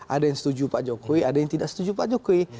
ada yang setuju pak jokowi ada yang tidak setuju pak jokowi